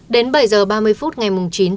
đến bảy h ba mươi phút ngày chín một mươi